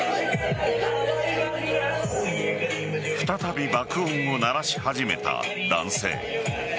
再び爆音を鳴らし始めた男性。